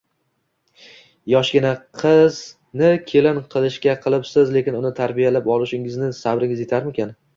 Yoshgina qizni kelin qilishga qilibsiz, lekin uni tarbiyalab olishga sabringiz etarmikan